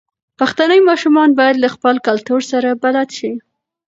پښتني ماشومان بايد له خپل کلتور سره بلد شي.